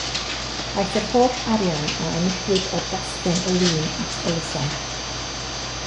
Aeth yr holl arian a enillwyd o'r gasgen o win at elusen.